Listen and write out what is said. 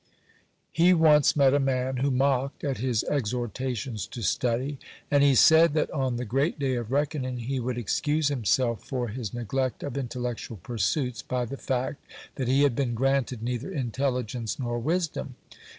(86) He once met a man who mocked at his exhortations to study, and he said that on the great day of reckoning he would excuse himself for his neglect of intellectual pursuits by the fact that he had been granted neither intelligence nor wisdom.